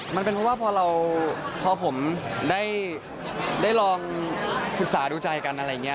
มันเป็นเพราะว่าพอผมได้ลองศึกษาดูใจกันอะไรอย่างนี้